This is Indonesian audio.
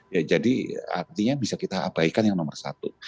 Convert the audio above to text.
ya jadi artinya bisa kita abaikan yang nomor satu